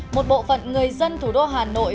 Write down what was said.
một bộ phận người dân thủ đô hà nội